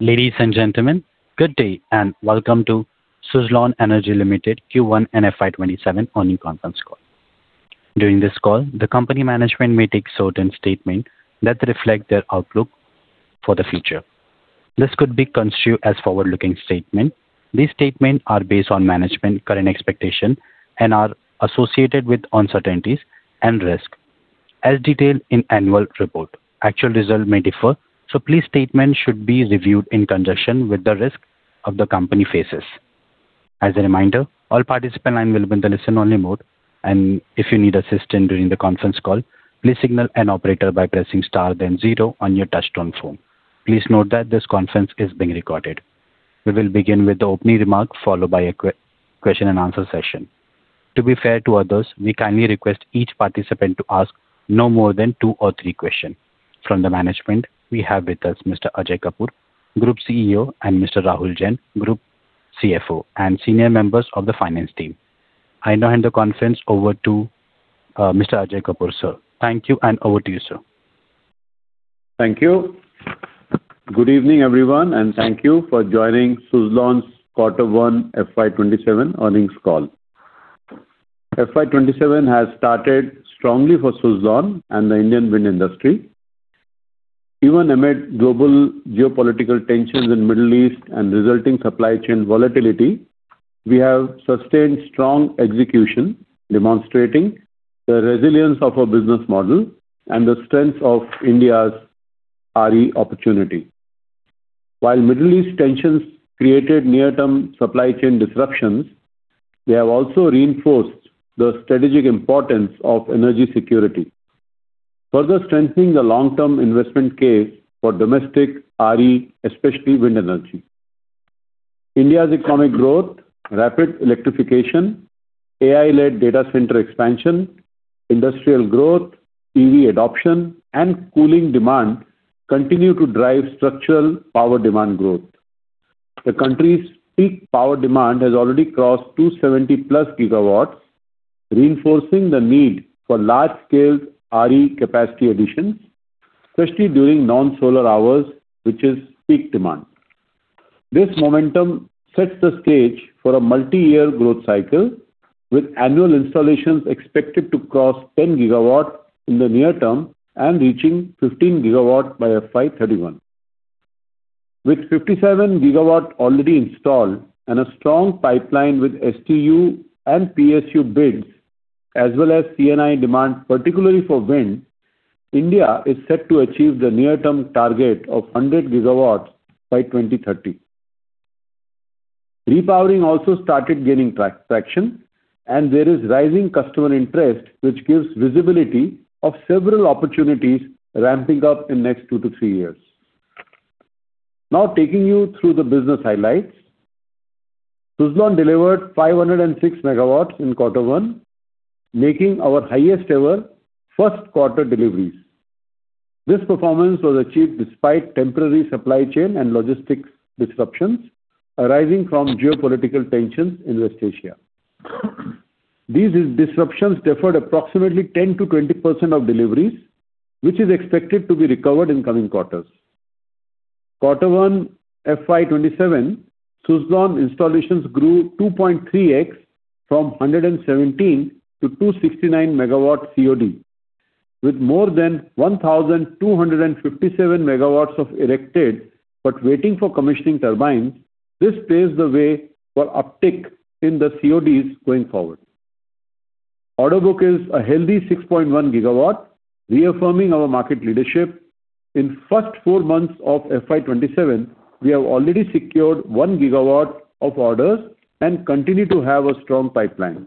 Ladies and gentlemen, good day and welcome to Suzlon Energy Limited Q1 and FY 2027 earnings conference call. During this call, the company management may take certain statements that reflect their outlook for the future. This could be construed as a forward-looking statement. These statements are based on management's current expectations and are associated with uncertainties and risks, as detailed in annual report. Actual results may differ, so please statements should be reviewed in conjunction with the risks that the company faces. As a reminder, all participant lines will be in listen-only mode. If you need assistance during the conference call, please signal an operator by pressing star then zero on your touchtone phone. Please note that this conference is being recorded. We will begin with the opening remarks, followed by a question and answer session. To be fair to others, we kindly request each participant to ask no more than two or three questions. From the management, we have with us Mr. Ajay Kapur, Group CEO, and Mr. Rahul Jain, Group CFO, and senior members of the finance team. I now hand the conference over to Mr. Ajay Kapur, sir. Thank you, and over to you, sir. Thank you. Good evening, everyone, and thank you for joining Suzlon's Quarter One FY 2027 earnings call. FY 2027 has started strongly for Suzlon and the Indian wind industry. Even amid global geopolitical tensions in the Middle East and resulting supply chain volatility, we have sustained strong execution, demonstrating the resilience of our business model and the strength of India's RE opportunity. While Middle East tensions created near-term supply chain disruptions, they have also reinforced the strategic importance of energy security, further strengthening the long-term investment case for domestic RE, especially wind energy. India's economic growth, rapid electrification, AI-led data center expansion, industrial growth, EV adoption, and cooling demand continue to drive structural power demand growth. The country's peak power demand has already crossed 270+ GW, reinforcing the need for large-scale RE capacity additions, especially during non-solar hours, which is peak demand. This momentum sets the stage for a multiyear growth cycle, with annual installations expected to cross 10 GW in the near term and reaching 15 GW by FY 2031. With 57 GW already installed and a strong pipeline with STU and PSU bids, as well as C&I demand, particularly for wind, India is set to achieve the near-term target of 100 GW by 2030. Repowering also started gaining traction, and there is rising customer interest, which gives visibility of several opportunities ramping up in the next two to three years. Now taking you through the business highlights. Suzlon delivered 506 MW in quarter one, making our highest ever first-quarter deliveries. This performance was achieved despite temporary supply chain and logistics disruptions arising from geopolitical tensions in West Asia. These disruptions deferred approximately 10%-20% of deliveries, which is expected to be recovered in coming quarters. Q1 FY 2027, Suzlon installations grew 2.3x from 117 MW-269 MW COD. With more than 1,257 MW of erected but waiting for commissioning turbines, this paves the way for uptick in the CODs going forward. Order book is a healthy 6.1 GW, reaffirming our market leadership. In the first four months of FY 2027, we have already secured 1 GW of orders and continue to have a strong pipeline.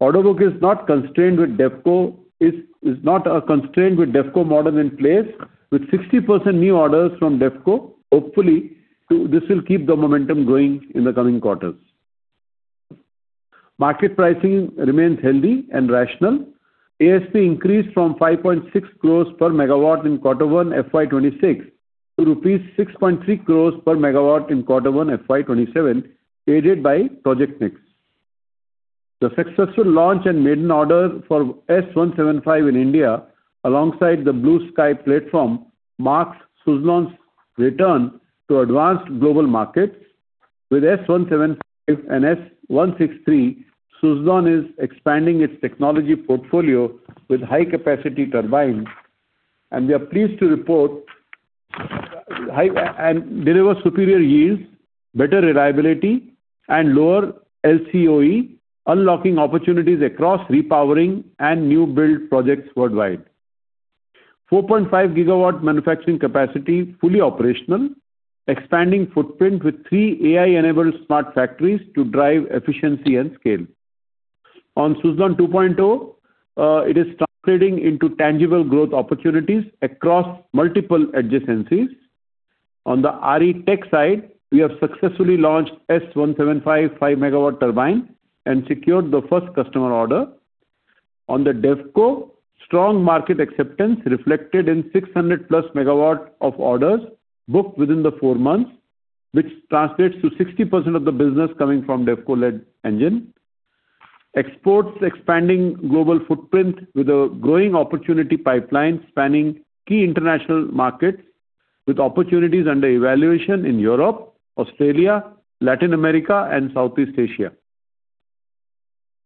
Order book is not constrained with DevCo model in place, with 60% new orders from DevCo. Hopefully, this will keep the momentum going in the coming quarters. Market pricing remains healthy and rational. ASP increased from 5.6 crore /MW in Q1 FY 2026 to rupees 6.3 crore /MW in Q1 FY 2027, aided by project mix. The successful launch and maiden order for S175 in India, alongside the Blue Sky platform, marks Suzlon's return to advanced global markets. With S175 and S163, Suzlon is expanding its technology portfolio with high-capacity turbines. We are pleased to report and deliver superior yields, better reliability, and lower LCOE, unlocking opportunities across repowering and new build projects worldwide. 4.5 GW manufacturing capacity, fully operational. Expanding footprint with three AI-enabled smart factories to drive efficiency and scale. On Suzlon 2.0, it is translating into tangible growth opportunities across multiple adjacencies. On the RE Tech side, we have successfully launched S175 5 MW turbine and secured the first customer order. On the DevCo, strong market acceptance reflected in 600+ MW of orders booked within the four months, which translates to 60% of the business coming from DevCo-led engine. Exports expanding global footprint with a growing opportunity pipeline spanning key international markets with opportunities under evaluation in Europe, Australia, Latin America and Southeast Asia.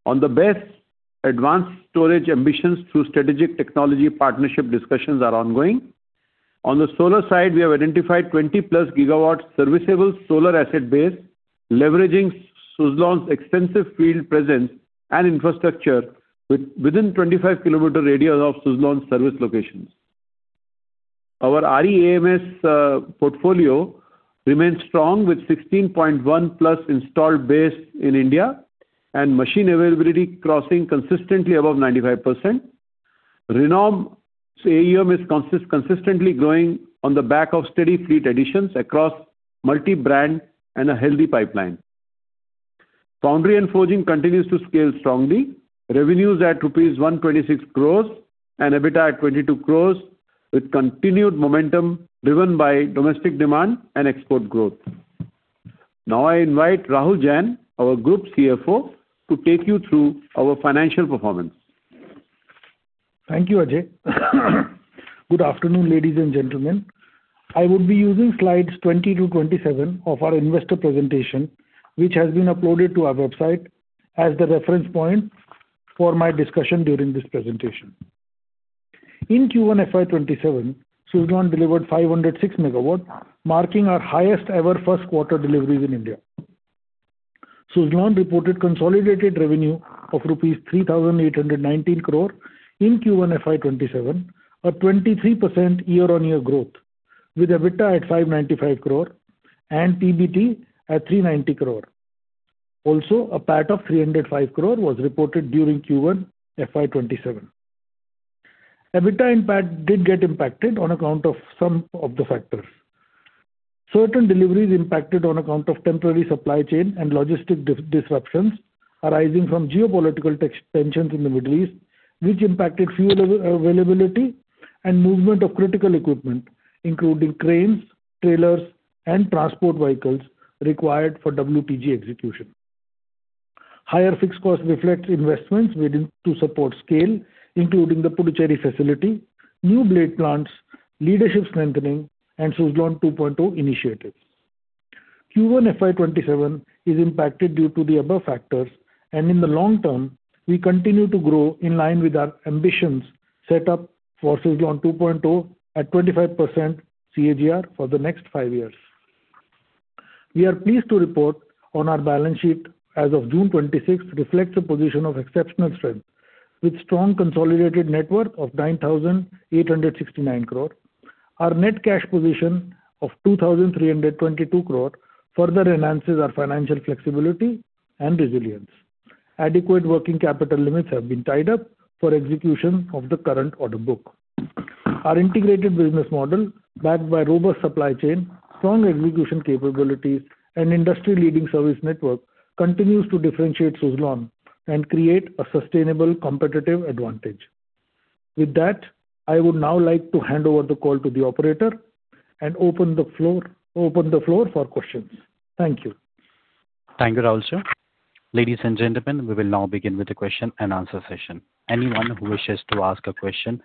On the BESS, advanced storage ambitions through strategic technology partnership discussions are ongoing. On the solar side, we have identified 20+ GW serviceable solar asset base, leveraging Suzlon's extensive field presence and infrastructure within 25 km radius of Suzlon service locations. Our RE AMS portfolio remains strong with 16.1+ installed base in India and machine availability crossing consistently above 95%. Renom AEM is consistently growing on the back of steady fleet additions across multi-brand and a healthy pipeline. Foundry and forging continues to scale strongly. Revenues at rupees 126 crore and EBITDA at 22 crore with continued momentum driven by domestic demand and export growth. Now I invite Rahul Jain, our Group CFO, to take you through our financial performance. Thank you, Ajay. Good afternoon, ladies and gentlemen. I would be using slides 20 to 27 of our investor presentation, which has been uploaded to our website, as the reference point for my discussion during this presentation. In Q1 FY 2027, Suzlon delivered 506 MW, marking our highest ever first quarter deliveries in India. Suzlon reported consolidated revenue of rupees 3,819 crore in Q1 FY 2027, a 23% year-on-year growth with EBITDA at 595 crore and PBT at 390 crore. Also, a PAT of 305 crore was reported during Q1 FY 2027. EBITDA and PAT did get impacted on account of some of the factors. Certain deliveries impacted on account of temporary supply chain and logistic disruptions arising from geopolitical tensions in the Middle East, which impacted fuel availability and movement of critical equipment, including cranes, trailers, and transport vehicles required for WTG execution. Higher fixed costs reflect investments made in to support scale, including the Puducherry facility, new blade plants, leadership strengthening and Suzlon 2.0 initiatives. Q1 FY 2027 is impacted due to the above factors, and in the long term, we continue to grow in line with our ambitions set up for Suzlon 2.0 at 25% CAGR for the next five years. We are pleased to report on our balance sheet as of June 26th, reflects a position of exceptional strength with strong consolidated net worth of 9,869 crore. Our net cash position of 2,322 crore further enhances our financial flexibility and resilience. Adequate working capital limits have been tied up for execution of the current order book. Our integrated business model, backed by robust supply chain, strong execution capabilities, and industry leading service network, continues to differentiate Suzlon and create a sustainable competitive advantage. I would now like to hand over the call to the operator and open the floor for questions. Thank you. Thank you, Rahul sir. Ladies and gentlemen, we will now begin with the question and answer session. Anyone who wishes to ask a question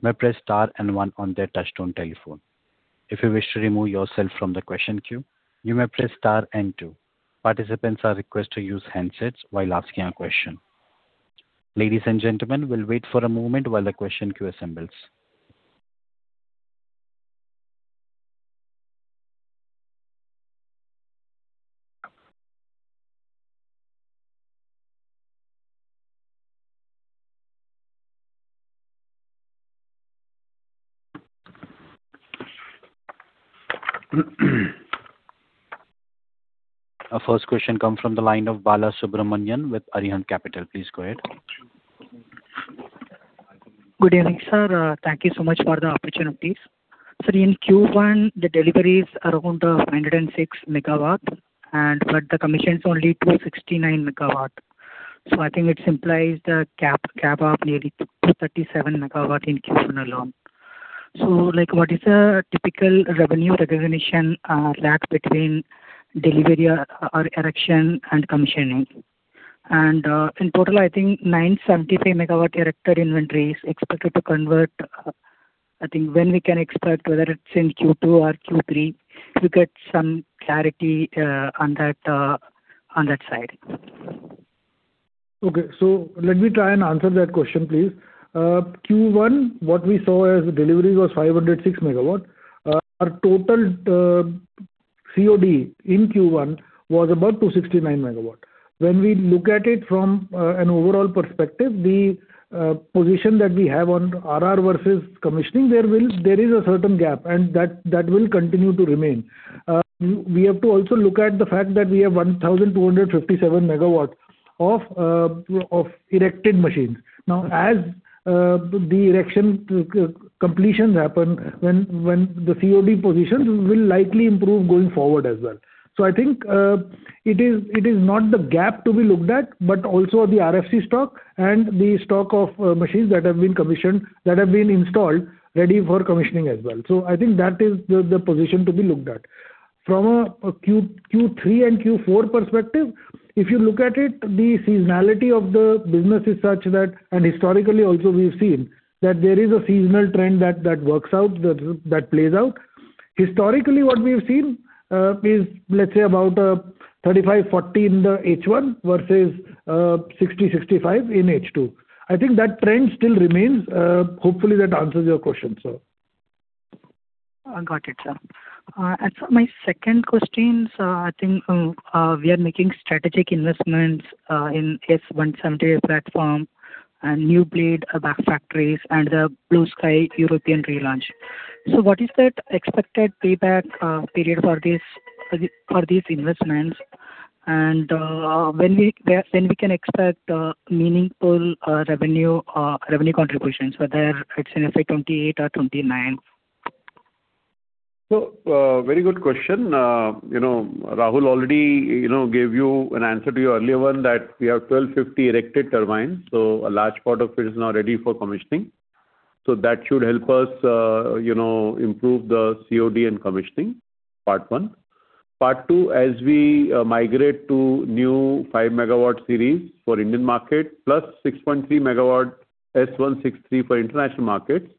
may press star and one on their touchtone telephone. If you wish to remove yourself from the question queue, you may press star and two. Participants are requested to use handsets while asking a question. Ladies and gentlemen, we will wait for a moment while the question queue assembles. Our first question comes from the line of Balasubramanian with Arihant Capital. Please go ahead. Good evening, sir. Thank you so much for the opportunity. Sir, in Q1, the delivery is around 506 MW, but the commission is only 269 MW. I think it implies the gap of nearly 237 MW in Q1 alone. What is a typical revenue recognition lapse between delivery or erection and commissioning? In total, I think 975 MW erected inventory is expected to convert. I think when we can expect, whether it's in Q2 or Q3, to get some clarity on that side. Okay. Let me try and answer that question, please. Q1, what we saw as deliveries was 506 MW. Our total COD in Q1 was about 269 MW. When we look at it from an overall perspective, the position that we have on RR versus commissioning, there is a certain gap, and that will continue to remain. We have to also look at the fact that we have 1,257 MW of erected machines. Now as the erection completions happen, when the COD positions will likely improve going forward as well. I think it is not the gap to be looked at, but also the RFC stock and the stock of machines that have been commissioned, that have been installed ready for commissioning as well. I think that is the position to be looked at. From a Q3 and Q4 perspective, if you look at it, the seasonality of the business is such that, and historically also we've seen, that there is a seasonal trend that works out, that plays out. Historically, what we have seen is, let's say about 35%-40% in the H1 versus 60%-65% in H2. I think that trend still remains. Hopefully, that answers your question, sir. Got it, sir. As for my second question, I think we are making strategic investments in S175 platform and new rotor blade manufacturing facilities and the Blue Sky European relaunch. What is that expected payback period for these investments and when we can expect meaningful revenue contributions, whether it's in FY 2028 or 2029? Very good question. Rahul already gave you an answer to your earlier one that we have 1,250 erected turbines, a large part of it is now ready for commissioning. Part one. Part two, as we migrate to new 5 MW series for Indian market, plus 6.3 MW S163 for international markets,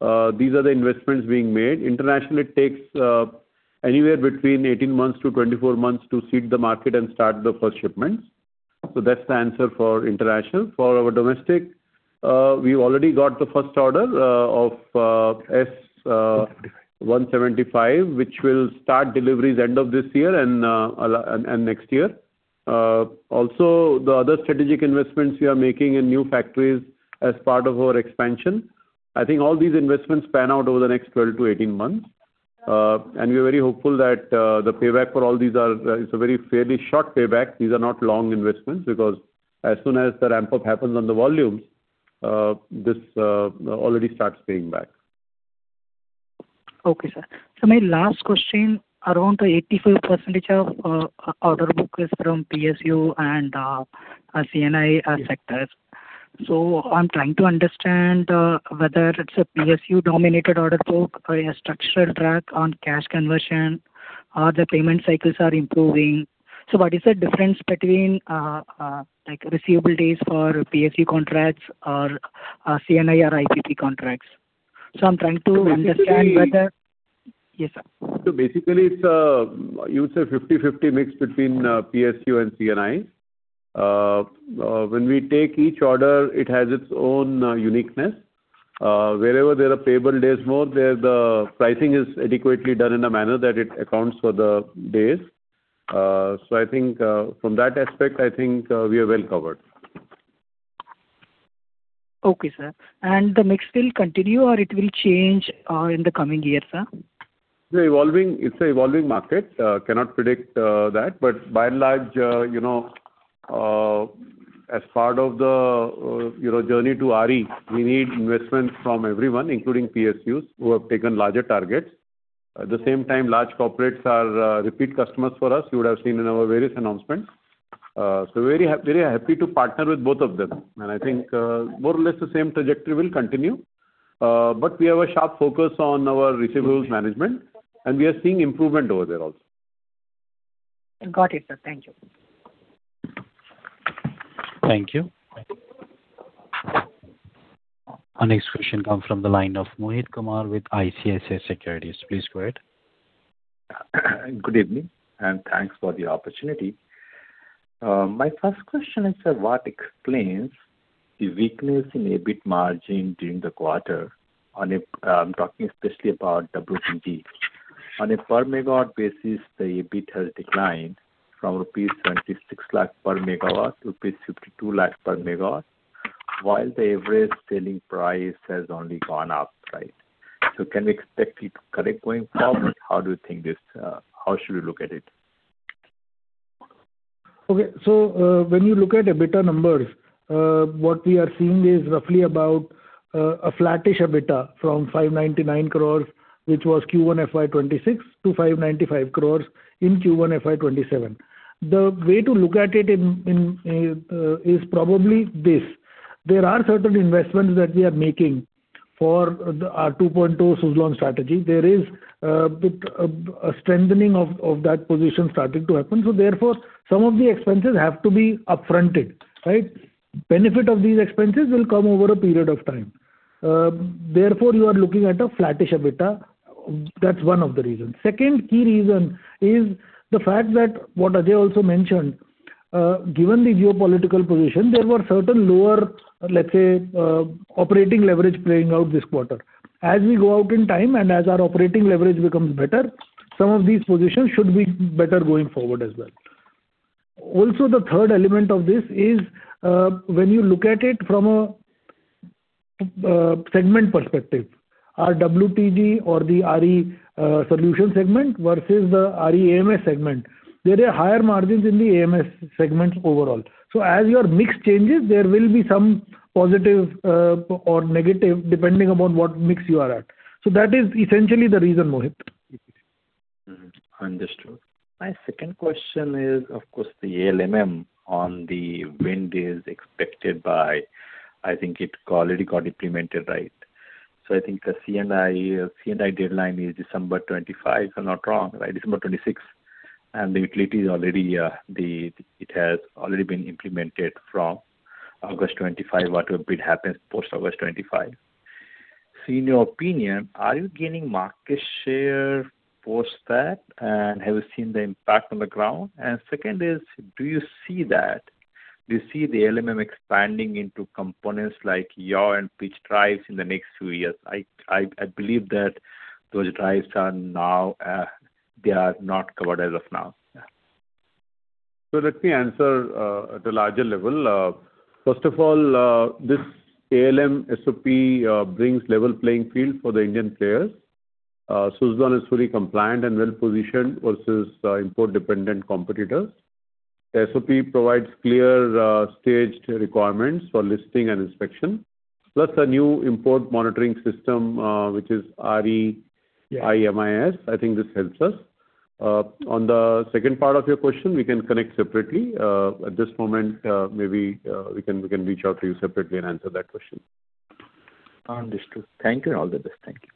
these are the investments being made. Internationally, it takes anywhere between 18 months to 24 months to seed the market and start the first shipments. That's the answer for international. For our domestic, we've already got the first order of S175, which will start deliveries end of this year and next year. Also, the other strategic investments we are making in new factories as part of our expansion. I think all these investments pan out over the next 12-18 months. We are very hopeful that the payback for all these it's a very fairly short payback. These are not long investments because as soon as the ramp-up happens on the volumes, this already starts paying back. Okay, sir. My last question, around 85% of order book is from PSU and C&I sectors. I'm trying to understand whether it's a PSU-dominated order book or a structured RAC on cash conversion, or the payment cycles are improving. I'm trying to understand whether- Basically- Yes, sir. Basically, it's a, you would say, 50/50 mix between PSU and C&I. When we take each order, it has its own uniqueness. Wherever there are payable days more, there the pricing is adequately done in a manner that it accounts for the days. I think from that aspect, I think we are well covered. Okay, sir. The mix will continue or it will change in the coming years, sir? It's an evolving market. Cannot predict that. By and large, as part of the journey to RE, we need investments from everyone, including PSUs, who have taken larger targets. At the same time, large corporates are repeat customers for us. You would have seen in our various announcements. We're very happy to partner with both of them. I think more or less the same trajectory will continue. We have a sharp focus on our receivables management, we are seeing improvement over there also. Got it, sir. Thank you. Thank you. Our next question comes from the line of Mohit Kumar with ICICI Securities. Please go ahead. Good evening. Thanks for the opportunity. My first question is, sir, what explains the weakness in EBIT margin during the quarter? I am talking especially about WPG. On a per megawatt basis, the EBIT has declined from rupees 52 lakh /MW-INR 26 lakh /MW, while the average selling price has only gone up, right? Can we expect it correct going forward? How should we look at it? Okay. When you look at EBITDA numbers, what we are seeing is roughly about a flattish EBITDA from 599 crores, which was Q1 FY 2026, to 595 crores in Q1 FY 2027. The way to look at it is probably this. There are certain investments that we are making for our Suzlon 2.0 strategy. There is a bit of a strengthening of that position starting to happen. Therefore, some of the expenses have to be upfronted, right? Benefit of these expenses will come over a period of time. Therefore, you are looking at a flattish EBITDA. That's one of the reasons. Second key reason is the fact that, what Ajay also mentioned, given the geopolitical position, there were certain lower, let's say, operating leverage playing out this quarter. As we go out in time and as our operating leverage becomes better, some of these positions should be better going forward as well. The third element of this is, when you look at it from a segment perspective, our WPG or the RE solution segment versus the RE AMS segment, there are higher margins in the AMS segment overall. As your mix changes, there will be some positive or negative depending upon what mix you are at. That is essentially the reason, Mohit. Understood. My second question is, of course, the ALMM on the wind is expected by, I think it already got implemented, right? I think the C&I deadline is December 25, if I'm not wrong, right? December 26. The utility it has already been implemented from August 25. Whatever bid happens post August 25. In your opinion, are you gaining market share post that, and have you seen the impact on the ground? Second is, do you see the ALMM expanding into components like yaw and pitch drives in the next two years? I believe that those drives, they are not covered as of now. Let me answer at a larger level. First of all, this ALMM SOP brings level playing field for the Indian players. Suzlon is fully compliant and well-positioned versus import-dependent competitors. The SOP provides clear staged requirements for listing and inspection, plus a new import monitoring system, which is REEIMS. I think this helps us. On the second part of your question, we can connect separately. At this moment, maybe we can reach out to you separately and answer that question. Understood. Thank you. All the best. Thank you.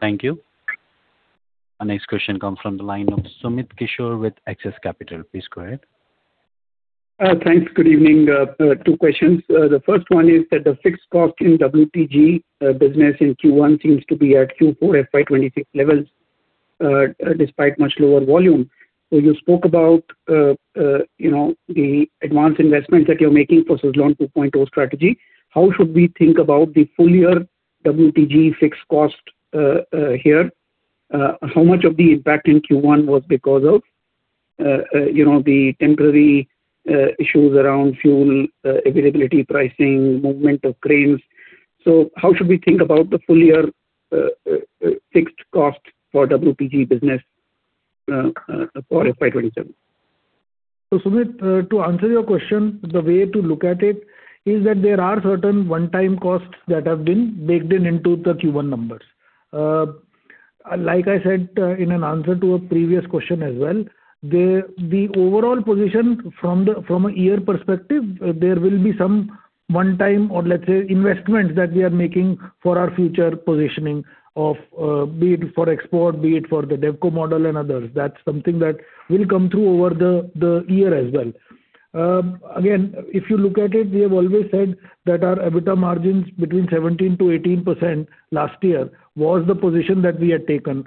Thank you. Our next question comes from the line of Sumit Kishore with Axis Capital. Please go ahead. Thanks. Good evening. Two questions. The first one is that the fixed cost in WPG business in Q1 seems to be at Q4 FY 2026 levels, despite much lower volume. You spoke about the advanced investment that you're making for Suzlon 2.0 strategy. How should we think about the full year WPG fixed cost here? How much of the impact in Q1 was because of the temporary issues around fuel availability, pricing, movement of cranes? How should we think about the full year fixed cost for WPG business for FY 2027? Sumit, to answer your question, the way to look at it is that there are certain one-time costs that have been baked in into the Q1 numbers. Like I said in an answer to a previous question as well, the overall position from a year perspective, there will be some one-time, or let's say, investments that we are making for our future positioning, be it for export, be it for the DevCo model and others. That's something that will come through over the year as well. Again, if you look at it, we have always said that our EBITDA margins between 17%-18% last year was the position that we had taken.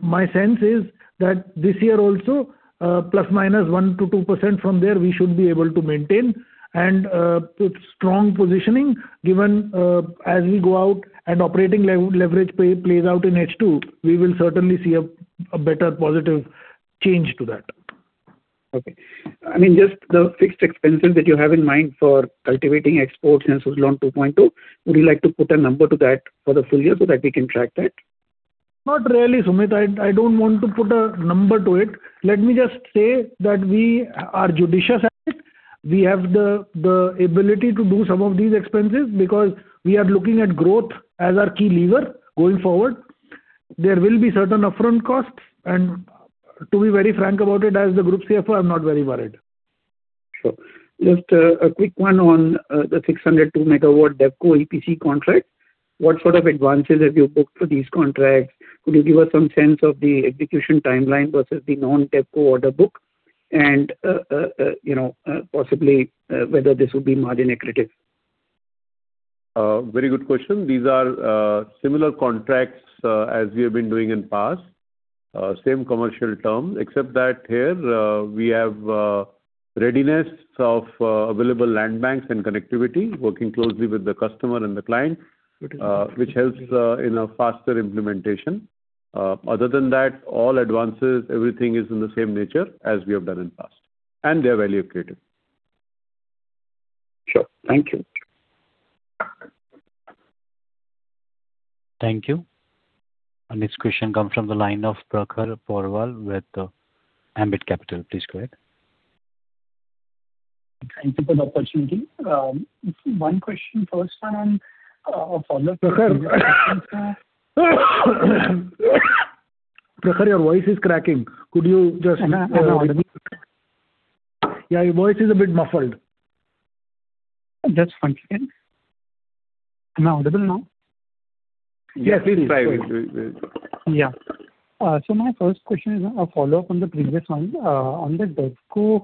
My sense is that this year also, ±1%-2% from there, we should be able to maintain and with strong positioning, given as we go out and operating leverage plays out in H2, we will certainly see a better positive change to that. Okay. Just the fixed expenses that you have in mind for cultivating exports and Suzlon 2.0, would you like to put a number to that for the full year so that we can track that? Not really, Sumit. I don't want to put a number to it. Let me just say that we are judicious at it. We have the ability to do some of these expenses because we are looking at growth as our key lever going forward. There will be certain upfront costs, and to be very frank about it, as the Group CFO, I'm not very worried. Sure. Just a quick one on the 602 MW DevCo EPC contract. What sort of advances have you booked for these contracts? Could you give us some sense of the execution timeline versus the non-DevCo order book and, possibly, whether this would be margin accretive? Very good question. These are similar contracts as we have been doing in past. Same commercial term, except that here we have readiness of available land banks and connectivity, working closely with the customer and the client. Okay. Which helps in a faster implementation. Other than that, all advances, everything is in the same nature as we have done in past, and they are value accretive. Sure. Thank you. Thank you. Our next question comes from the line of Prakhar Porwal with Ambit Capital. Please go ahead. Thanks for the opportunity. One question, first one, a follow-up Prakhar, your voice is cracking. Could you just speak up a bit? Am I audible? Yeah, your voice is a bit muffled. Just one second. Am I audible now? Yes, please try. Yes. Yeah. My first question is a follow-up on the previous one. On the DevCo,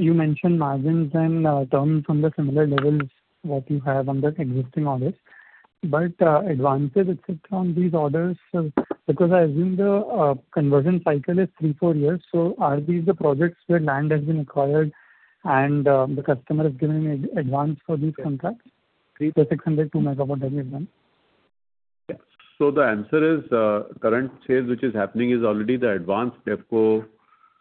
you mentioned margins and terms on the similar levels that you have on the existing orders. Advances, et cetera, on these orders, because I assume the conversion cycle is three, four years. Are these the projects where land has been acquired and the customer has given an advance for these contracts? The 602 MW that we have done. The answer is, current sales which is happening is already the advanced DevCo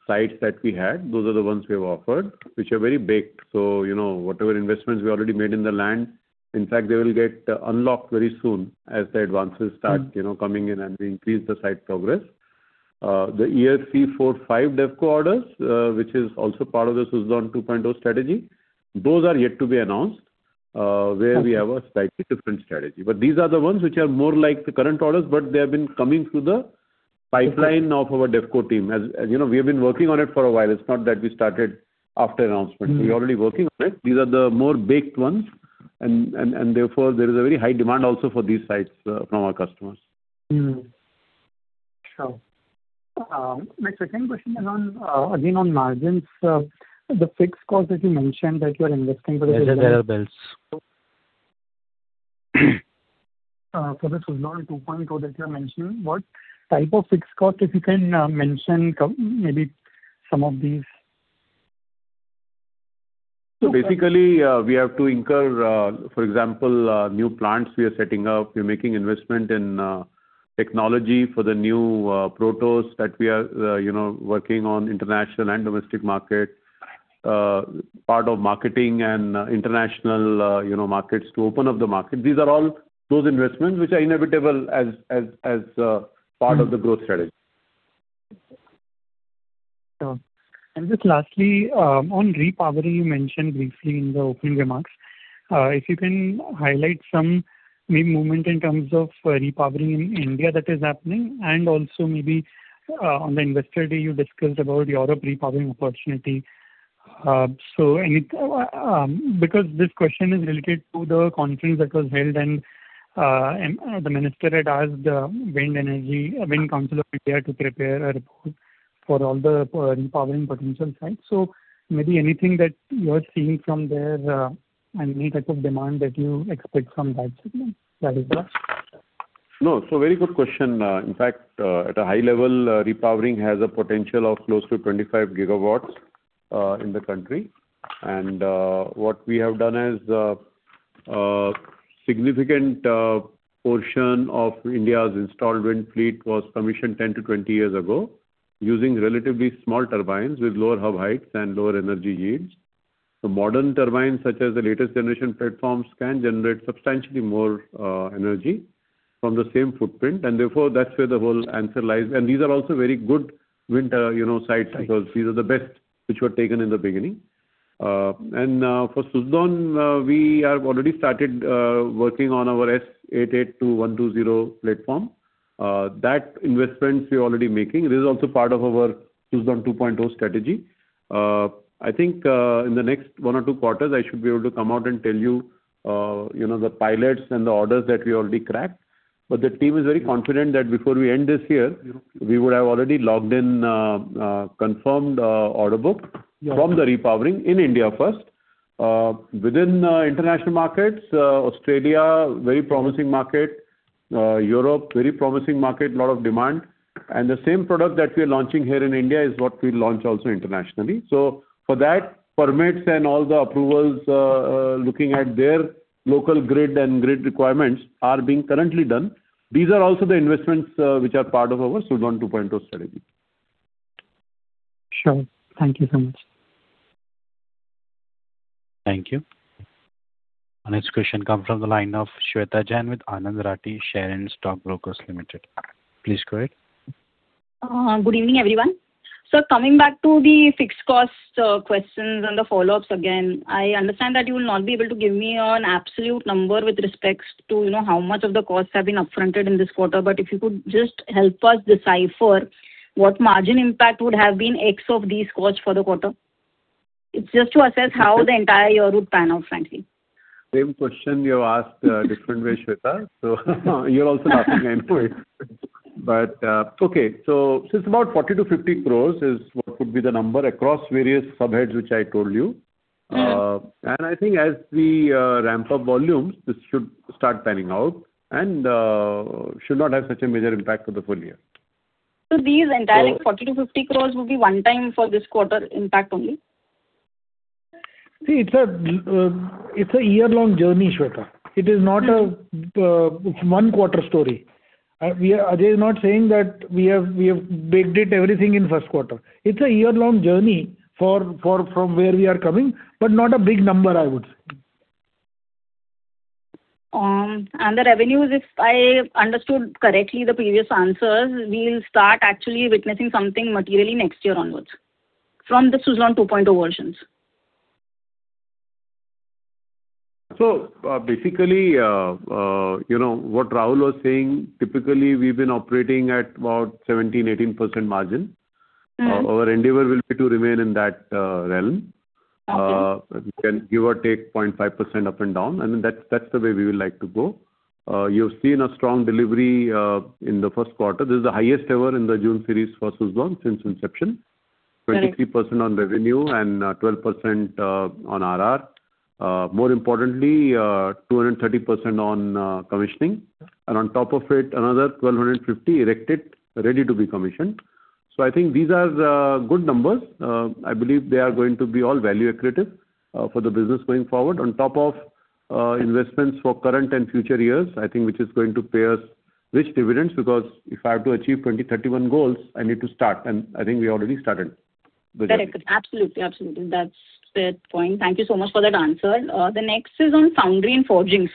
sites that we had. Those are the ones we have offered, which are very big. Whatever investments we already made in the land, in fact, they will get unlocked very soon as the advances start coming in and we increase the site progress. The year three, four, five DevCo orders, which is also part of the Suzlon 2.0 strategy, those are yet to be announced, where we have a slightly different strategy. These are the ones which are more like the current orders, but they have been coming through the pipeline of our DevCo team. As you know, we have been working on it for a while. It's not that we started after announcement. We're already working on it. These are the more baked ones, and therefore, there is a very high demand also for these sites from our customers. Sure. My second question is again on margins. The fixed cost that you mentioned that you are investing for the- These are their bills. For the Suzlon 2.0 that you're mentioning, what type of fixed cost, if you can mention maybe some of these? Basically, we have to incur, for example, new plants we are setting up. We're making investment in technology for the new protos that we are working on, international and domestic market. Part of marketing and international markets to open up the market. These are all those investments which are inevitable as part of the growth strategy. Sure. Just lastly, on repowering, you mentioned briefly in the opening remarks. If you can highlight some maybe movement in terms of repowering in India that is happening, and also maybe on the investor day you discussed about Europe repowering opportunity. Because this question is related to the conference that was held and the minister had asked the Wind Council of India to prepare a report for all the repowering potential sites. Maybe anything that you are seeing from there, and any type of demand that you expect from that segment, that is all. Very good question. In fact, at a high level, repowering has a potential of close to 25 GW in the country. What we have done is, a significant portion of India's installed wind fleet was commissioned 10-20 years ago, using relatively small turbines with lower hub heights and lower energy yields. Modern turbines, such as the latest generation platforms, can generate substantially more energy from the same footprint, and therefore, that's where the whole answer lies. These are also very good wind sites because these are the best which were taken in the beginning. For Suzlon, we have already started working on our S88 to S120 platform. That investment we are already making. This is also part of our Suzlon 2.0 strategy. I think in the next one or two quarters, I should be able to come out and tell you the pilots and the orders that we already cracked. The team is very confident that before we end this year, we would have already logged in confirmed order book from the repowering in India first. Within international markets, Australia, very promising market. Europe, very promising market, lot of demand. The same product that we are launching here in India is what we will launch also internationally. For that, permits and all the approvals, looking at their local grid and grid requirements are being currently done. These are also the investments which are part of our Suzlon 2.0 strategy. Sure. Thank you so much. Thank you. Our next question come from the line of Sweta Jain with Anand Rathi Share and Stock Brokers Ltd. Please go ahead. Good evening, everyone. Coming back to the fixed cost questions and the follow-ups again. I understand that you will not be able to give me an absolute number with respect to how much of the costs have been up-fronted in this quarter. If you could just help us decipher what margin impact would have been X of these costs for the quarter. It is just to assess how the entire year would pan out, frankly. Same question you have asked a different way, Sweta, you are also laughing anyway. Okay. It is about 40 crores -50 crores is what would be the number across various subheads, which I told you. I think as we ramp up volumes, this should start panning out and should not have such a major impact for the full year. These entire 40 crores-50 crores will be one-time for this quarter impact only? See, it's a year-long journey, Sweta. It's one quarter story. Ajay is not saying that we have baked it everything in first quarter. It's a year-long journey from where we are coming, but not a big number, I would say. The revenues, if I understood correctly, the previous answers, we'll start actually witnessing something materially next year onwards from the Suzlon 2.0 versions. Basically, what Rahul was saying, typically, we've been operating at about 17%-18% margin. Our endeavor will be to remain in that realm. Okay. We can give or take 0.5% up and down, that's the way we would like to go. You've seen a strong delivery in the first quarter. This is the highest ever in the June series for Suzlon since inception. Correct. 23% on revenue and 12% on RR. More importantly, 230% on commissioning. On top of it, another 1,250 erected, ready to be commissioned. I think these are the good numbers. I believe they are going to be all value accretive for the business going forward. On top of investments for current and future years, I think, which is going to pay us rich dividends, because if I have to achieve 2031 goals, I need to start, I think we already started. Correct. Absolutely. That's the point. Thank you so much for that answer. The next is on foundry and forgings.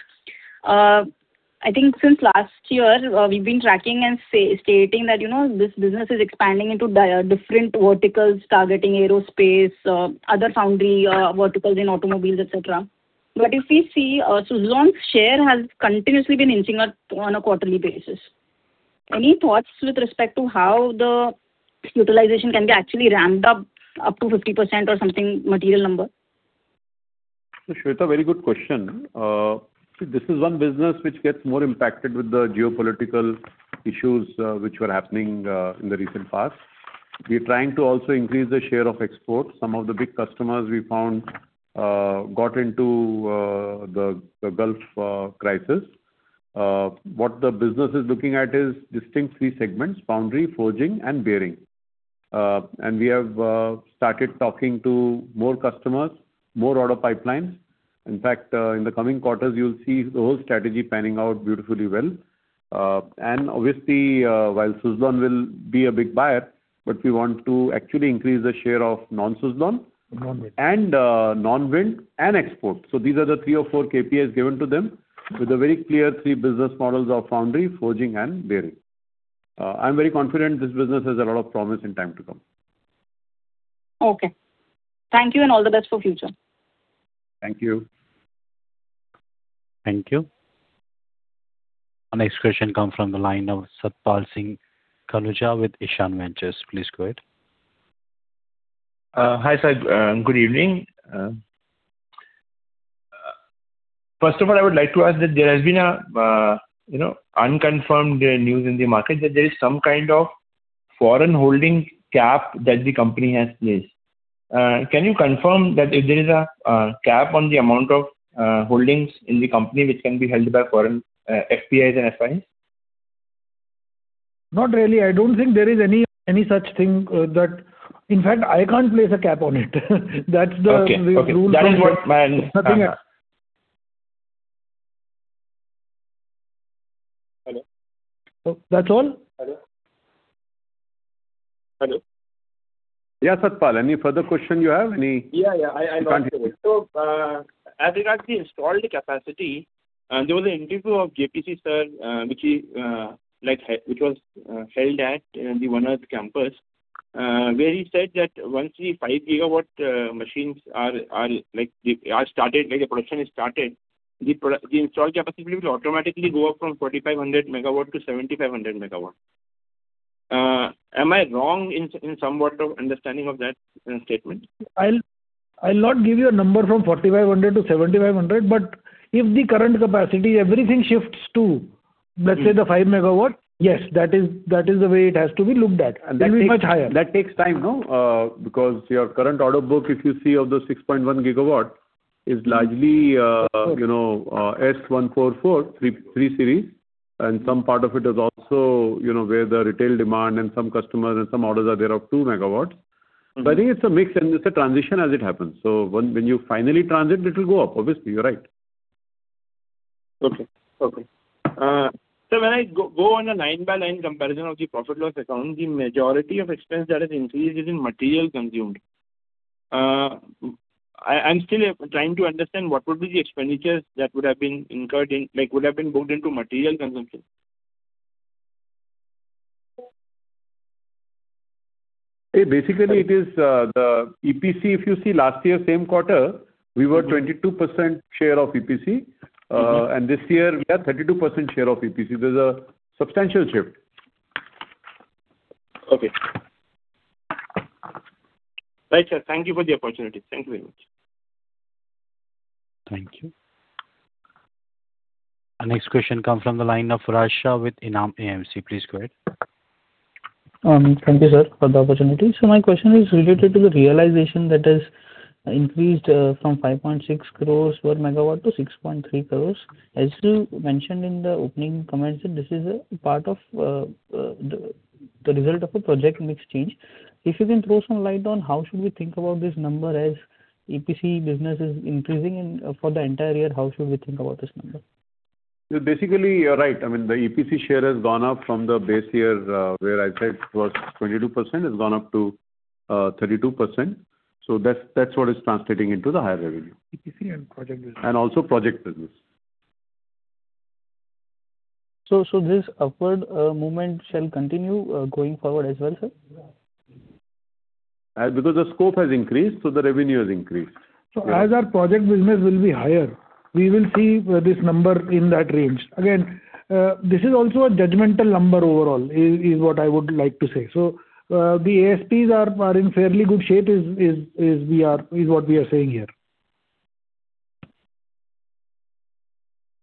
I think since last year, we've been tracking and stating that this business is expanding into different verticals, targeting aerospace, other foundry verticals in automobiles, et cetera. If we see, Suzlon's share has continuously been inching up on a quarterly basis. Any thoughts with respect to how the utilization can be actually ramped up to 50% or something material number? Sweta, very good question. This is one business which gets more impacted with the geopolitical issues which were happening in the recent past. We are trying to also increase the share of exports. Some of the big customers we found got into the Gulf crisis. What the business is looking at is distinct three segments, foundry, forging, and bearing. We have started talking to more customers, more order pipelines. In fact, in the coming quarters, you'll see the whole strategy panning out beautifully well. Obviously, while Suzlon will be a big buyer, but we want to actually increase the share of non-Suzlon- Non-wind. Non-wind and exports. These are the three or four KPIs given to them with a very clear three business models of foundry, forging, and bearing. I'm very confident this business has a lot of promise in time to come. Okay. Thank you, and all the best for future. Thank you. Thank you. Our next question come from the line of Satpal Singh Khanuja with Ishaan Ventures. Please go ahead. Hi, sir. Good evening. First of all, I would like to ask that there has been unconfirmed news in the market that there is some kind of foreign holding cap that the company has placed. Can you confirm that if there is a cap on the amount of holdings in the company which can be held by foreign FPIs and FIs? Not really. I don't think there is any such thing. In fact, I can't place a cap on it. That's the rule from. Okay. That is what my. Nothing else. Hello? That's all? Hello? Hello? Yeah, Satpal, any further question you have? Yeah. Can't hear you As regards the installed capacity, there was an interview of J.P.C. sir, which was held at the One Earth campus, where he said that once the 5 GW machines are started, like the production is started, the installed capacity will automatically go up from 4,500 MW-7,500 MW. Am I wrong in somewhat of understanding of that statement? I'll not give you a number from 4,500 MW-7,500 MW, if the current capacity, everything shifts to, let's say the 5 MW, yes, that is the way it has to be looked at. It will be much higher. That takes time, no? Because your current order book, if you see, of the 6.1 GW, is largely S144, three series, and some part of it is also where the retail demand and some customers and some orders are there of 2 MW. I think it's a mix and it's a transition as it happens. When you finally transit, it will go up. Obviously, you're right. Okay. Sir, when I go on a line-by-line comparison of the profit and loss account, the majority of expense that has increased is in material consumed. I'm still trying to understand what would be the expenditures that would have been booked into material consumption. Basically, it is the EPC. If you see last year, same quarter. We were 22% share of EPC. This year, we are 32% share of EPC. There's a substantial shift. Okay. Right, sir. Thank you for the opportunity. Thank you very much. Thank you. Our next question comes from the line of Raj Shah with Enam AMC. Please go ahead. Thank you, sir, for the opportunity. My question is related to the realization that has increased from 5.6 crores /MW-INR 6.3 crores /MW. As you mentioned in the opening comments, that this is a part of the result of a project mix change. If you can throw some light on how should we think about this number as EPC business is increasing for the entire year, how should we think about this number? Basically, you're right. The EPC share has gone up from the base year, where I said it was 22%, has gone up to 32%. That's what is translating into the higher revenue. EPC and project business. Also project business. This upward movement shall continue going forward as well, sir? The scope has increased, the revenue has increased. As our project business will be higher, we will see this number in that range. Again, this is also a judgmental number overall, is what I would like to say. The ASPs are in fairly good shape, is what we are saying here.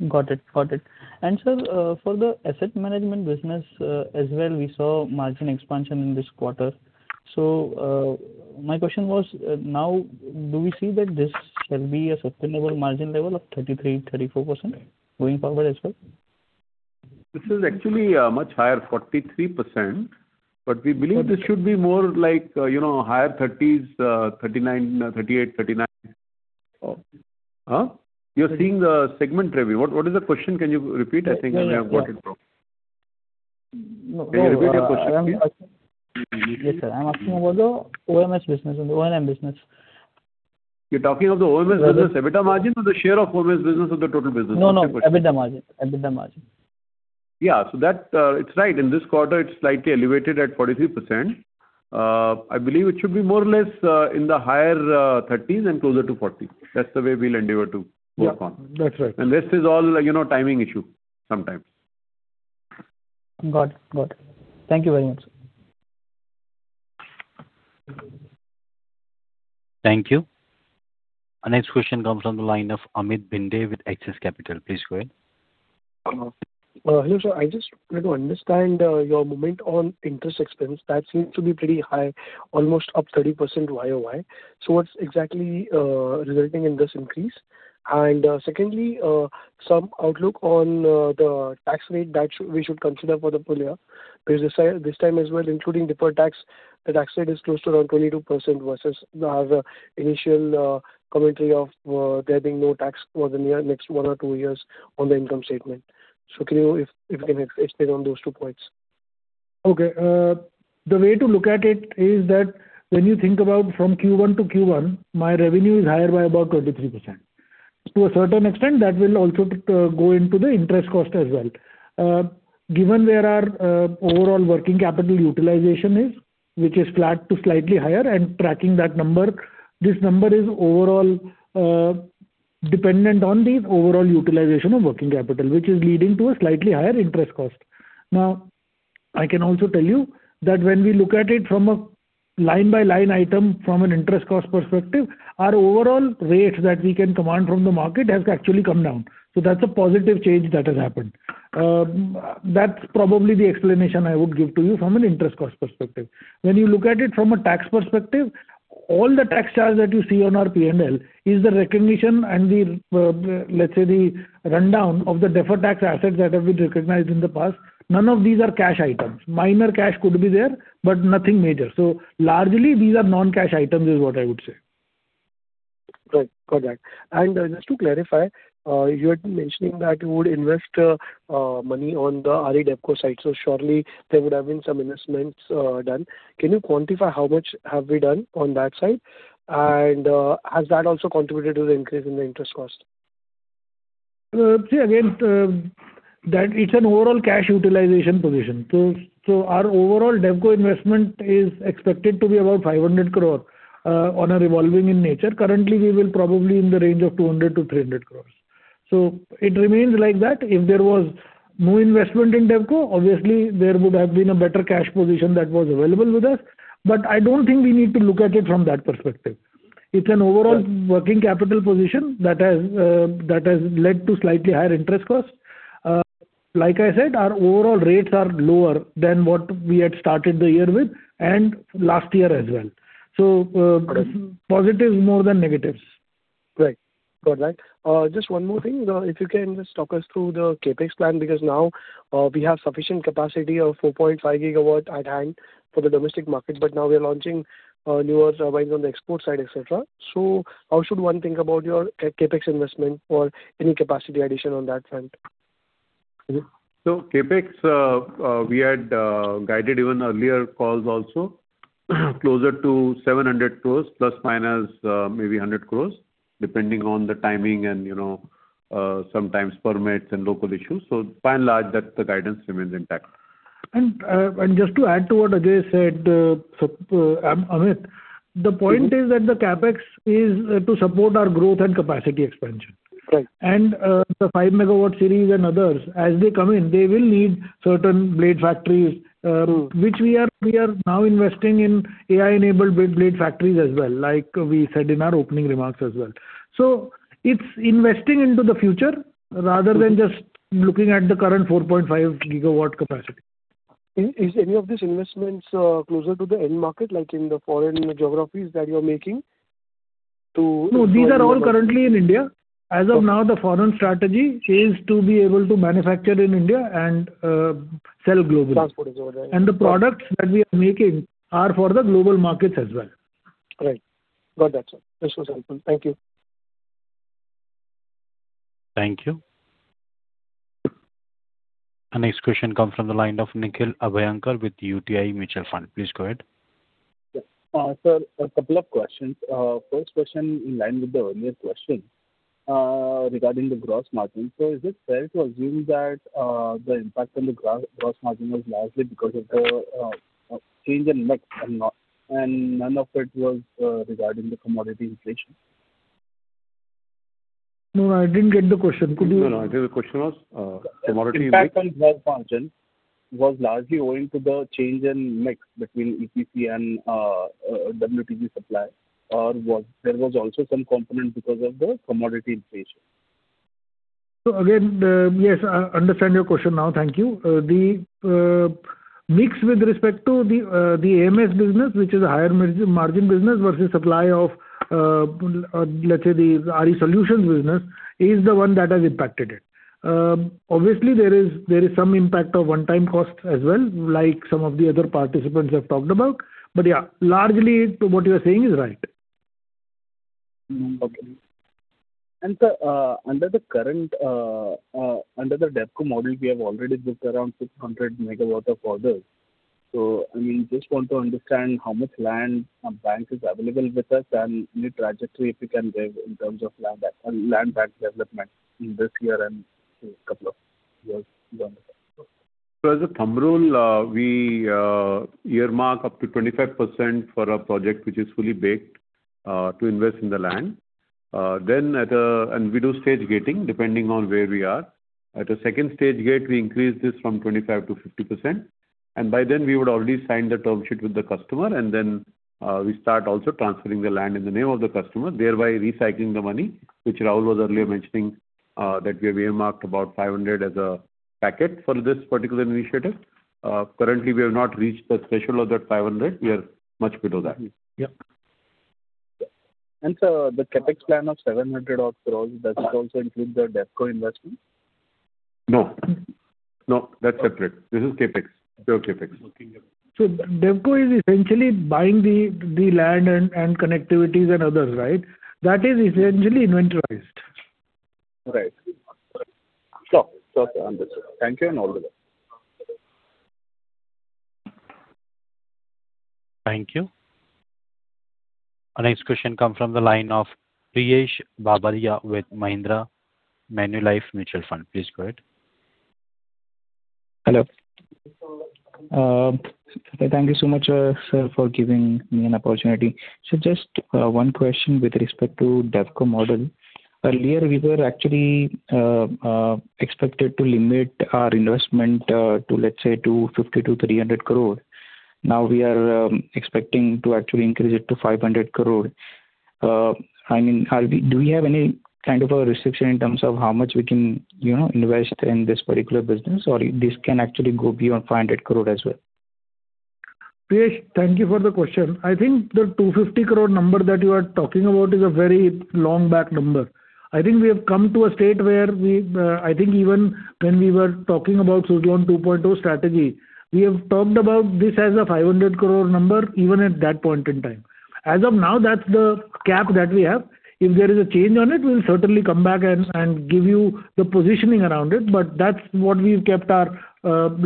Got it. Sir, for the asset management business as well, we saw margin expansion in this quarter. My question was, now do we see that this shall be a sustainable margin level of 33%-34% going forward as well? This is actually much higher, 43%, we believe this should be more like higher 30s, 38%, 39%. Okay. You're seeing the segment review. What is the question? Can you repeat? I think I may have got it wrong. No. Can you repeat your question, please? Yes, sir. I'm asking about the O&M business. You're talking of the O&M business EBITDA margin or the share of O&M business of the total business? Which one? No. EBITDA margin. Yeah. That it's right. In this quarter, it's slightly elevated at 43%. I believe it should be more or less in the higher 30s and closer to 40%. That's the way we'll endeavor to work on. Yeah. That's right. Rest is all timing issue sometimes. Got it. Thank you very much. Thank you. Our next question comes on the line of Amit Bhinde with Axis Capital. Please go ahead. Hello, sir. I just try to understand your movement on interest expense that seems to be pretty high, almost up 30% Y-o-Y. What's exactly resulting in this increase? Secondly, some outlook on the tax rate that we should consider for the full year. This time as well, including deferred tax, the tax rate is close to around 22% versus the other initial commentary of there being no tax for the next one or two years on the income statement. Can you, if you can explain on those two points? Okay. The way to look at it is that when you think about from Q1 to Q1, my revenue is higher by about 23%. To a certain extent, that will also go into the interest cost as well. Given where our overall working capital utilization is, which is flat to slightly higher and tracking that number, this number is overall dependent on the overall utilization of working capital, which is leading to a slightly higher interest cost. I can also tell you that when we look at it from a line-by-line item from an interest cost perspective, our overall rates that we can command from the market has actually come down. That's a positive change that has happened. That's probably the explanation I would give to you from an interest cost perspective. When you look at it from a tax perspective, all the tax charges that you see on our P&L is the recognition and the, let's say, the rundown of the deferred tax assets that have been recognized in the past. None of these are cash items. Minor cash could be there, but nothing major. Largely, these are non-cash items, is what I would say. Right. Got that. Just to clarify, you had mentioning that you would invest money on the RE DevCo side, surely there would have been some investments done. Can you quantify how much have we done on that side? Has that also contributed to the increase in the interest cost? Again, that it's an overall cash utilization position. Our overall DevCo investment is expected to be about 500 crore on a revolving in nature. Currently, we will probably in the range of 200 crore-300 crore. It remains like that. If there was more investment in DevCo, obviously there would have been a better cash position that was available with us. I don't think we need to look at it from that perspective. It's an overall working capital position that has led to slightly higher interest costs. Like I said, our overall rates are lower than what we had started the year with and last year as well. Got it. Positives more than negatives. Right. Got that. Just one more thing, if you can just talk us through the CapEx plan, because now we have sufficient capacity of 4.5 GW at hand for the domestic market, now we are launching newer turbines on the export side, et cetera. How should one think about your CapEx investment or any capacity addition on that front? CapEx, we had guided even earlier calls also, closer to 700 crores ± 100 crores, depending on the timing and sometimes permits and local issues. By and large, that guidance remains intact. Just to add to what Ajay said, Amit, the point is that the CapEx is to support our growth and capacity expansion. Right. The 5 MW series and others, as they come in, they will need certain blade factories. True. We are now investing in AI-enabled blade factories as well, like we said in our opening remarks as well. It's investing into the future rather than just looking at the current 4.5 GW capacity. Is any of these investments closer to the end market, like in the foreign geographies that you're making to? No, these are all currently in India. As of now, the foreign strategy is to be able to manufacture in India and sell globally. Transport is all right. The products that we are making are for the global markets as well. Right. Got that, sir. This was helpful. Thank you. Thank you. Our next question comes from the line of Nikhil Abhyankar with UTI Mutual Fund. Please go ahead. Yes. Sir, a couple of questions. First question in line with the earlier question regarding the gross margin. Is it fair to assume that the impact on the gross margin was largely because of the change in mix and none of it was regarding the commodity inflation? No, I didn't get the question. Could you- No, I think the question was commodity impact- Impact on gross margin was largely owing to the change in mix between EPC and WTG supply, or there was also some component because of the commodity inflation. Again, yes, I understand your question now. Thank you. The mix with respect to the AMS business, which is a higher margin business versus supply of, let's say, the RE solutions business, is the one that has impacted it. Obviously, there is some impact of one-time costs as well, like some of the other participants have talked about. Yeah, largely, what you're saying is right. Okay. Sir, under the DevCo model, we have already booked around 600 MW of orders. We just want to understand how much land or bank is available with us and any trajectory if you can give in terms of land bank development in this year and in a couple of years down the line. As a thumb rule, we earmark up to 25% for a project which is fully baked to invest in the land. We do stage gating depending on where we are. At a second stage gate, we increase this from 25% -50%, and by then we would already sign the term sheet with the customer, and then we start also transferring the land in the name of the customer, thereby recycling the money, which Rahul was earlier mentioning, that we have earmarked about 500 as a packet for this particular initiative. Currently, we have not reached the threshold of that 500. We are much below that. Yeah. Sir, the CapEx plan of 700 odd crores, does it also include the DevCo investment? No. That's separate. This is CapEx. Pure CapEx. Okay. DevCo is essentially buying the land and connectivities and others, right? That is essentially inventorized. Right. Sure, sir. Understood. Thank you and all the best. Thank you. Our next question come from the line of Priyesh Babariya with Mahindra Manulife Mutual Fund. Please go ahead. Hello. Thank you so much, sir, for giving me an opportunity. Just one question with respect to DevCo model. Earlier we were actually expected to limit our investment to, let's say, 250 crore-300 crore. Now we are expecting to actually increase it to 500 crore. Do we have any kind of a restriction in terms of how much we can invest in this particular business, or this can actually go beyond 500 crore as well? Priyesh, thank you for the question. The 250 crore number that you are talking about is a very long back number. We have come to a state where, even when we were talking about Suzlon 2.0 strategy, we have talked about this as a 500 crore number, even at that point in time. As of now, that's the cap that we have. If there is a change on it, we'll certainly come back and give you the positioning around it. That's what we've kept our,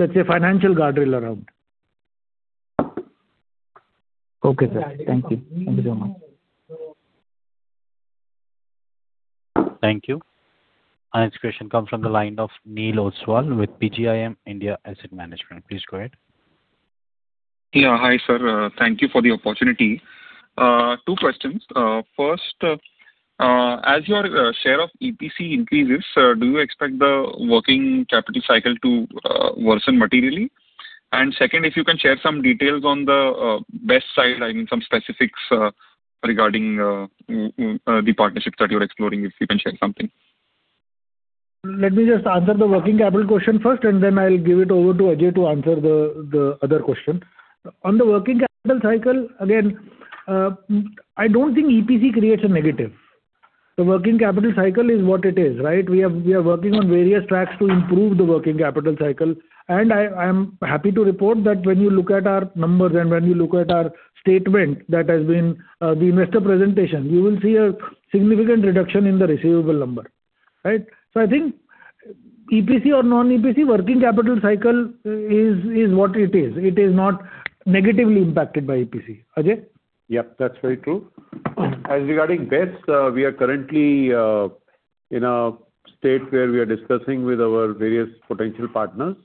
let's say, financial guardrail around. Sir. Thank you. Thank you so much. Thank you. Our next question comes from the line of Neil Oswal with PGIM India Asset Management. Please go ahead. Hi, sir. Thank you for the opportunity. Two questions. First, as your share of EPC increases, do you expect the working capital cycle to worsen materially? Second, if you can share some details on the BESS side, some specifics regarding the partnerships that you're exploring, if you can share something. Let me just answer the working capital question first, then I'll give it over to Ajay to answer the other question. On the working capital cycle, again, I don't think EPC creates a negative. The working capital cycle is what it is, right? We are working on various tracks to improve the working capital cycle. I am happy to report that when you look at our numbers and when you look at our statement, that has been the investor presentation. We will see a significant reduction in the receivable number, right? I think EPC or non-EPC working capital cycle is what it is. It is not negatively impacted by EPC. Ajay? Yep, that's very true. Regarding BESS, we are currently in a state where we are discussing with our various potential partners.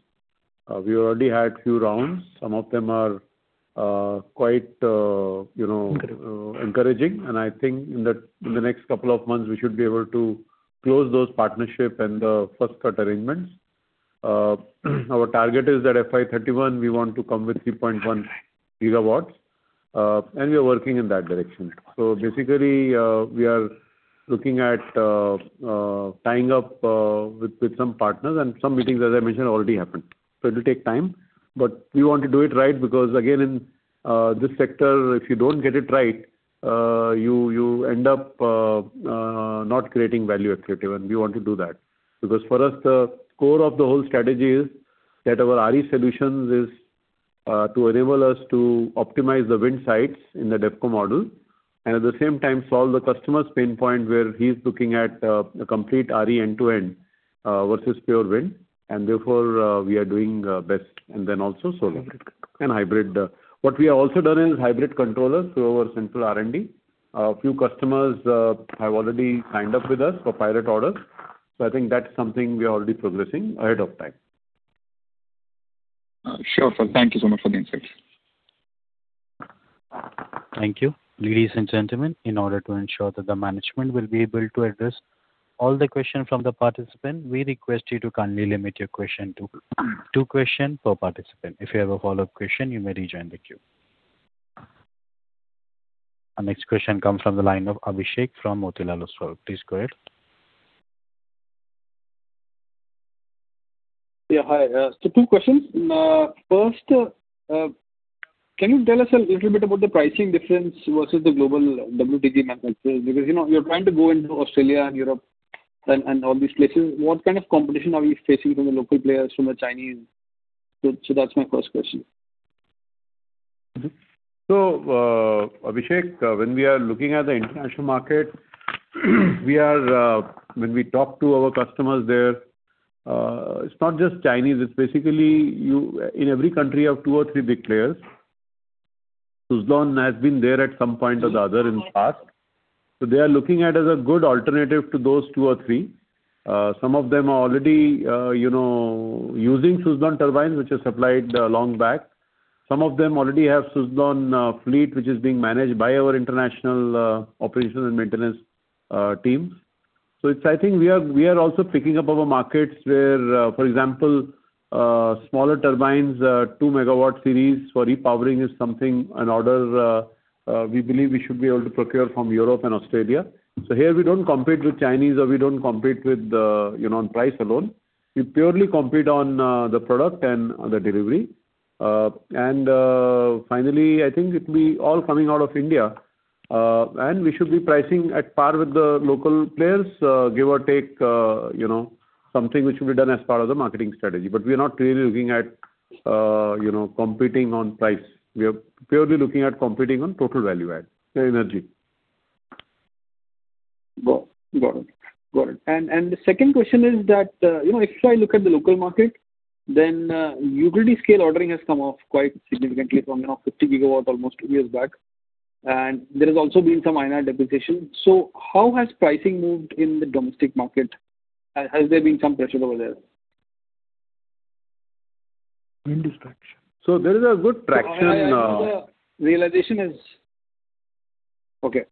We already had few rounds. Some of them are quite- Encouraging. Encouraging. I think in the next couple of months, we should be able to close those partnership and the first cut arrangements. Our target is that FY 2031, we want to come with 3.1 GW. We are working in that direction. Basically, we are looking at tying up with some partners and some meetings, as I mentioned, already happened. It will take time, but we want to do it right because again, in this sector, if you don't get it right, you end up not creating value accretive. We want to do that. For us, the core of the whole strategy is that our RE solutions is to enable us to optimize the wind sites in the DevCo model and at the same time solve the customer's pain point where he's looking at a complete RE end-to-end versus pure wind, and therefore, we are doing BESS and then also solar and hybrid. What we have also done is hybrid controllers through our central R&D. A few customers have already signed up with us for pilot orders. I think that's something we are already progressing ahead of time. Sure, sir. Thank you so much for the insights. Thank you. Ladies and gentlemen, in order to ensure that the management will be able to address all the questions from the participant, we request you to kindly limit your question to two question per participant. If you have a follow-up question, you may rejoin the queue. Our next question comes from the line of Abhishek from Motilal Oswal. Please go ahead. Yeah, hi. Two questions. First, can you tell us a little bit about the pricing difference versus the global WTG manufacturers? You're trying to go into Australia and Europe and all these places. What kind of competition are we facing from the local players, from the Chinese? That's my first question. Abhishek, when we are looking at the international market, when we talk to our customers there, it's not just Chinese. In every country you have two or three big players. Suzlon has been there at some point or the other in the past. They are looking at us as a good alternative to those two or three. Some of them are already using Suzlon turbines, which was supplied long back. Some of them already have Suzlon fleet, which is being managed by our international operations and maintenance teams. I think we are also picking up our markets where, for example, smaller turbines, 2 MW series for repowering is something, an order we believe we should be able to procure from Europe and Australia. Here we don't compete with Chinese, or we don't compete on price alone. We purely compete on the product and the delivery. Finally, I think it'll be all coming out of India, and we should be pricing at par with the local players, give or take, something which should be done as part of the marketing strategy. We are not really looking at competing on price. We are purely looking at competing on total value add, energy. Got it. The second question is that, if I look at the local market, utility scale ordering has come off quite significantly from 50 GW almost two years back. There has also been some INR depreciation. How has pricing moved in the domestic market? Has there been some pressure over there? Wind is traction. There is a good traction. I think the realization is okay.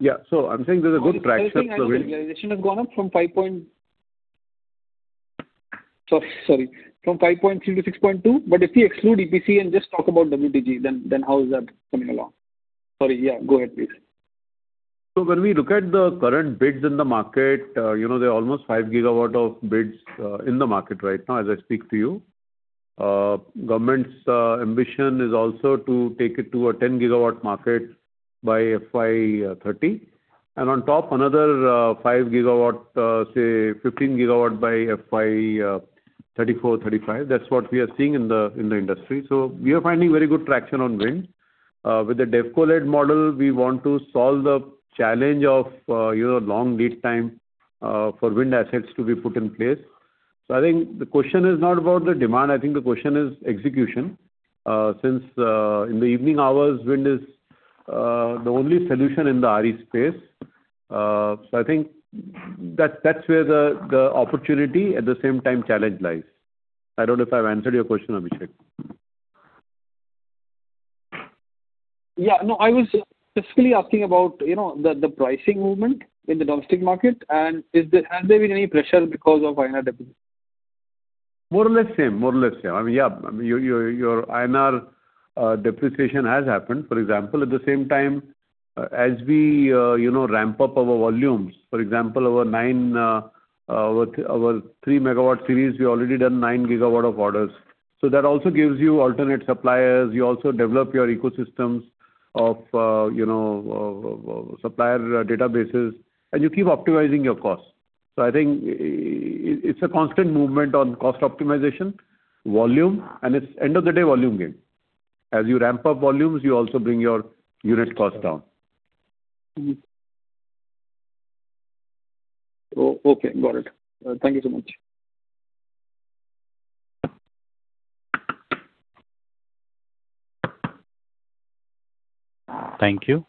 Yeah. I'm saying there's a good traction of wind- I think realization has gone up from 5.3-6.2, but if we exclude EPC and just talk about WTG, then how is that coming along? Sorry, yeah, go ahead please. When we look at the current bids in the market, there are almost five gigawatt of bids in the market right now, as I speak to you. Government's ambition is also to take it to a 10 GW market by FY 2030. On top, another five gigawatt, say, 15 GW by FY 2034, 2035. That's what we are seeing in the industry. We are finding very good traction on wind. With the DevCo-led model, we want to solve the challenge of long lead time for wind assets to be put in place. I think the question is not about the demand, I think the question is execution. Since, in the evening hours, wind is the only solution in the RE space. I think that's where the opportunity, at the same time, challenge lies. I don't know if I've answered your question, Abhishek. Yeah. I was specifically asking about the pricing movement in the domestic market, and has there been any pressure because of INR depreciation? More or less same. I mean, yeah, your INR depreciation has happened, for example. At the same time as we ramp up our volumes, for example, our three megawatt series, we've already done 9 GW of orders. That also gives you alternate suppliers. You also develop your ecosystems of supplier databases, and you keep optimizing your costs. I think it's a constant movement on cost optimization, volume, and it's end of the day volume game. As you ramp up volumes, you also bring your unit cost down. Got it. Thank you so much. Thank you.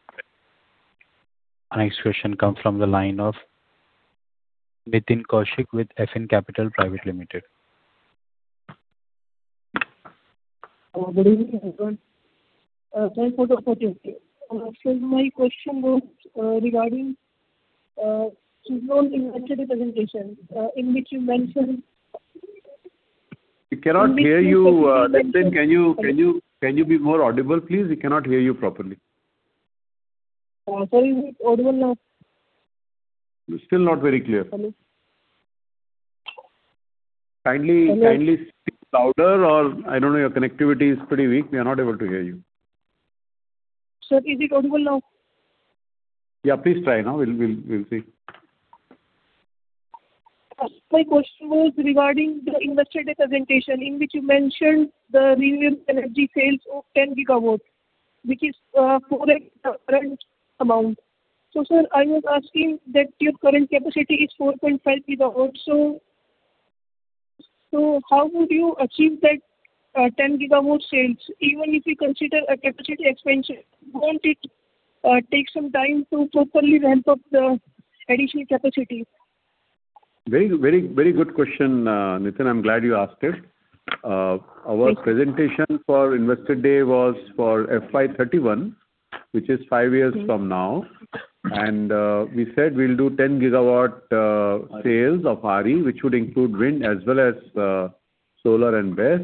Our next question comes from the line of Nitin Kaushik with Afin Capital Private Limited. Good evening, everyone. Thank you for the opportunity. Sir, my question was regarding Suzlon investor presentation, in which you mentioned. We cannot hear you, Nitin. Can you be more audible, please? We cannot hear you properly. Sorry, is it audible now? Still not very clear. Hello. Kindly speak louder or, I don't know, your connectivity is pretty weak. We are not able to hear you. Sir, is it audible now? Yeah, please try now. We'll see. My question was regarding the Investor Day presentation, in which you mentioned the renewable energy sales of 10 GW, which is for a current amount. Sir, I was asking that your current capacity is 4.5 GW, so how would you achieve that 10 GW sales? Even if you consider a capacity expansion, won't it take some time to properly ramp up the additional capacity? Very good question, Nitin. I'm glad you asked it. Thank you. Our presentation for Investor Day was for FY 2031, which is five years from now. We said we'll do 10 GW sales of RE, which would include wind as well as solar and BESS.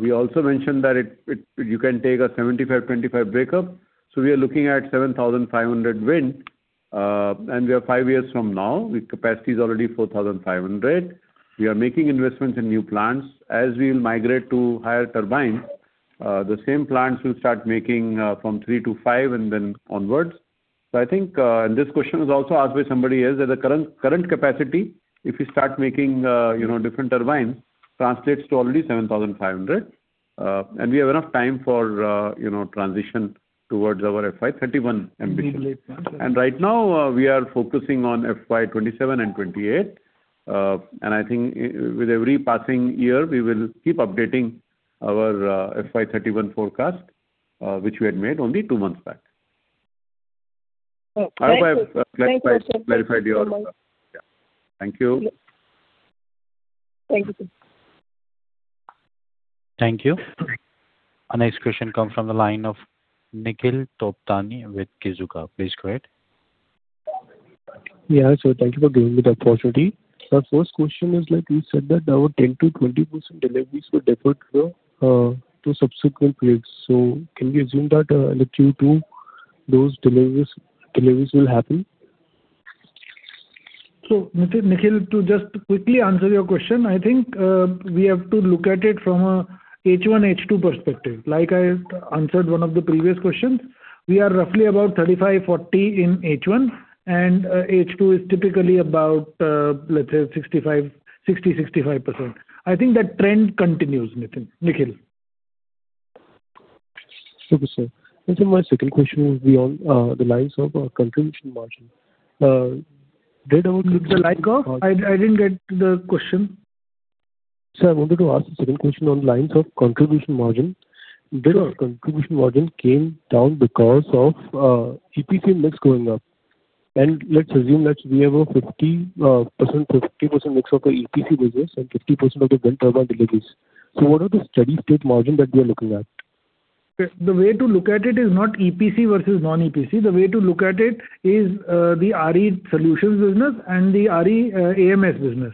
We also mentioned that you can take a 75/25 breakup. We are looking at 7,500 wind, and we are five years from now. The capacity is already 4,500. We are making investments in new plants. As we'll migrate to higher turbines, the same plants will start making from three to five and then onwards. I think, this question was also asked by somebody else, that the current capacity, if we start making different turbines, translates to already 7,500. We have enough time for transition towards our FY 2031 ambition. Right now, we are focusing on FY 2027 and 2028. I think with every passing year, we will keep updating our FY 2031 forecast, which we had made only two months back. Okay. Thank you, sir. I hope I've clarified your. Yeah. Thank you. Thank you, sir. Thank you. Our next question comes from the line of Nikhil Poptani with Kizuna. Please go ahead. Thank you for giving me the opportunity. My first question is, you said that our 10%-20% deliveries were deferred to subsequent periods. Can we assume that in the Q2 those deliveries will happen? Nikhil, to just quickly answer your question. I think, we have to look at it from a H1, H2 perspective. Like I answered one of the previous questions, we are roughly about 35%-40% in H1, and H2 is typically about, let's say 60%-65%. I think that trend continues, Nikhil. Super, sir. Sir, my second question will be on the lines of contribution margin. The like of? I didn't get the question. Sir, I wanted to ask the second question on lines of contribution margin. Sure. Did our contribution margin came down because of EPC mix going up? Let's assume that we have a 50% mix of the EPC business and 50% of the wind turbine deliveries. What are the steady state margin that we are looking at? The way to look at it is not EPC versus non-EPC. The way to look at it is the RE solutions business and the RE AMS business.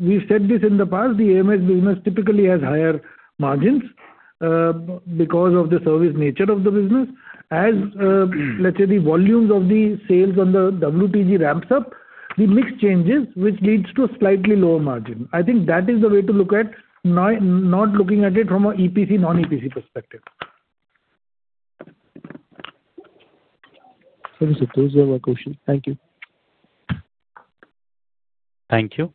We've said this in the past, the AMS business typically has higher margins because of the service nature of the business. As, let's say, the volumes of the sales on the WPG ramps up, the mix changes, which leads to a slightly lower margin. I think that is the way to look at, not looking at it from a EPC, non-EPC perspective. Super, sir. Those were my questions. Thank you. Thank you.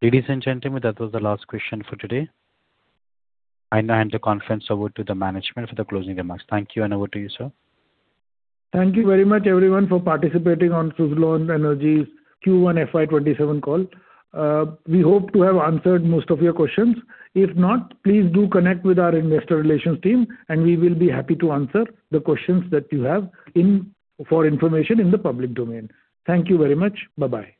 Ladies and gentlemen, that was the last question for today. I now hand the conference over to the management for the closing remarks. Thank you, and over to you, sir. Thank you very much, everyone, for participating on Suzlon Energy's Q1 FY 2027 call. We hope to have answered most of your questions. If not, please do connect with our investor relations team. We will be happy to answer the questions that you have for information in the public domain. Thank you very much. Bye-bye.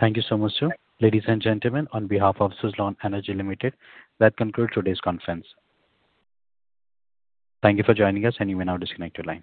Thank you so much, sir. Ladies and gentlemen, on behalf of Suzlon Energy Limited, that concludes today's conference. Thank you for joining us, and you may now disconnect your line.